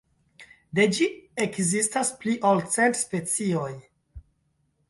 De ĝi ekzistas pli ol cent specioj.